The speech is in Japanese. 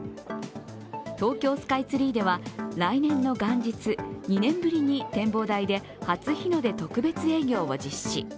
東京スカイツリーでは来年の元日、２年ぶりに展望台で初日の出特別営業を実施。